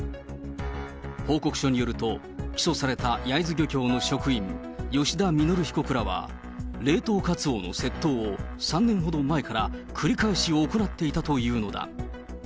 報告書によると、起訴された焼津漁協の職員、吉田稔被告らは、冷凍カツオの窃盗を３年ほど前から繰り返し行っていたというのだ。